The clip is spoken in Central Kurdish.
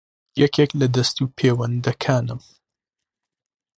یەکێک لە دەستوپێوەندەکانم